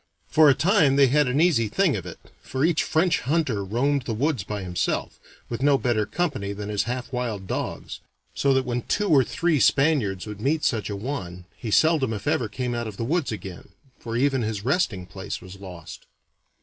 For a time they had an easy thing of it, for each French hunter roamed the woods by himself, with no better company than his half wild dogs, so that when two or three Spaniards would meet such a one, he seldom if ever came out of the woods again, for even his resting place was lost.